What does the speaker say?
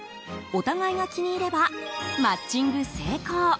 お互いが気に入ればマッチング成功！